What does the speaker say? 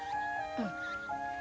うん。